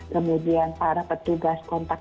kemudian para petugas kontak